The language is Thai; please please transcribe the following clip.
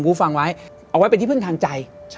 ฟังไว้เอาไว้เป็นที่พึ่งทางใจ